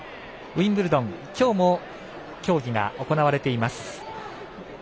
ウィンブルドン、きょうも競技が行われています。